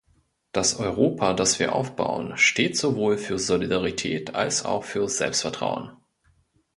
Das Europa, das wir aufbauen, steht sowohl für Solidarität als auch für Selbstvertrauen.